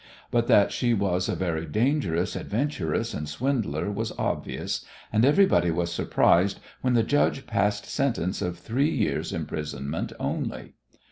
But that she was a very dangerous adventuress and swindler was obvious, and everybody was surprised when the judge passed sentence of three years' imprisonment only.